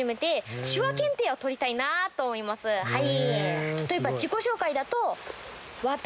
はい。